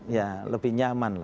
ya lebih nyaman lah